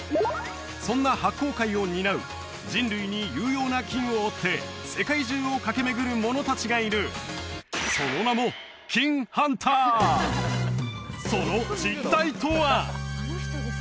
そんな発酵界を担う人類に有用な菌を追って世界中を駆け巡る者達がいるその名もその実態とは！？